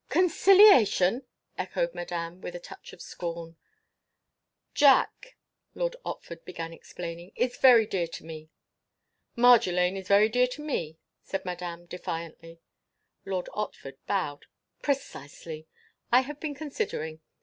"Conciliation!" echoed Madame, with a touch of scorn. "Jack," Lord Otford began explaining, "is very dear to me." "Marjolaine is very dear to me," said Madame, defiantly. Lord Otford bowed. "Precisely. I have been considering.